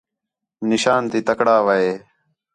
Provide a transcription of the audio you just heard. نشان تی تکڑا وہے